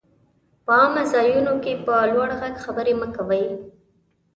په عامه ځايونو کي په لوړ ږغ خبري مه کوئ!